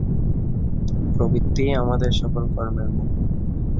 প্রবৃত্তিই আমাদের সকল কর্মের মূল।